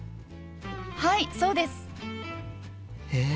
はいそうです！へえ。